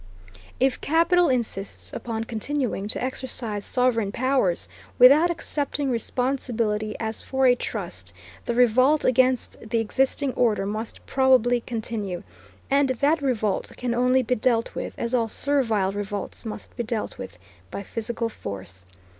If capital insists upon continuing to exercise sovereign powers, without accepting responsibility as for a trust, the revolt against the existing order must probably continue, and that revolt can only be dealt with, as all servile revolts must be dealt with, by physical force.